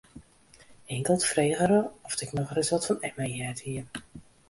Inkeld frege er oft ik noch ris wat fan Emma heard hie.